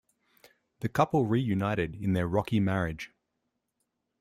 The couple reunited in their rocky marriage.